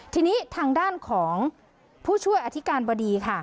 ทีนี้ทางด้านของผู้ช่วยอธิการบดีค่ะ